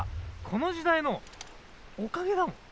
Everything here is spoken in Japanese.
この時代のおかげだもん。